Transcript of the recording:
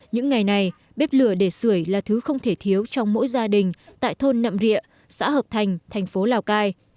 những ngày này bếp lửa để sửa là thứ không thể thiếu trong mỗi gia đình tại thôn nậm rịa xã hợp thành thành phố lào cai